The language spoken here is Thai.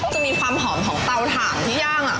จะมีความหอมของเตาถ่านที่ย่าง